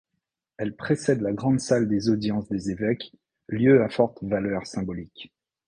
Elle précède la grande salle des Audiences des Évêques, lieu à forte valeur symbolique.